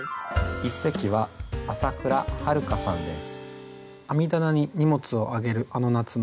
一席は麻倉遥さんです。